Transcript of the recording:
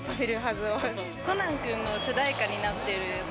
女性：コナン君の主題歌になってるやつ。